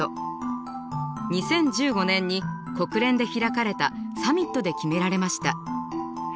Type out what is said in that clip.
２０１５年に国連で開かれたサミットで決められました。